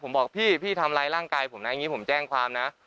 ผมบอกพี่พี่ทำร้ายร่างกายผมนะอย่างนี้ผมแจ้งความนะ